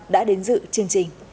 đã đến dự chương trình